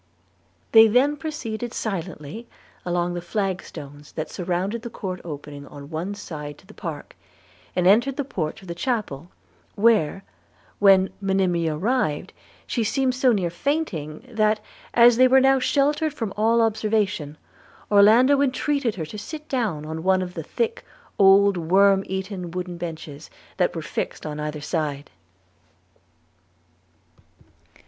They then proceeded silently along the flag stones that surrounded the court opening on one side to the park, and entered the porch of the chapel; where when Monimia arrived, she seemed so near fainting, that, as they were now sheltered from all observation, Orlando entreated her to sit down on one of the thick old worm eaten wooden benches that were fixed on either side.